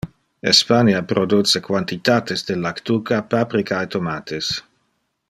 Espania produce quantitates de lactuca, paprika e tomates.